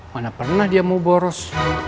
mana pernah dia mau boros